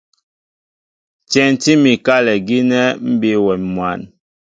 Tyɛntí mi kálɛ gínɛ́ mbí awɛm mwǎn.